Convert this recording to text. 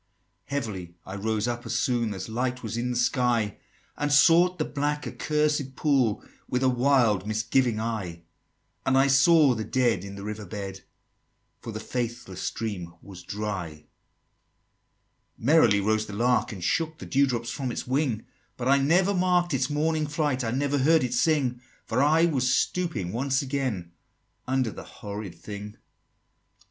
"Heavily I rose up, as soon As light was in the sky, And sought the black accursed pool With a wild misgiving eye; And I saw the Dead in the river bed, For the faithless stream was dry." XXIX. "Merrily rose the lark, and shook The dew drop from its wing; But I never mark'd its morning flight, I never heard it sing: For I was stooping once again Under the horrid thing." XXX.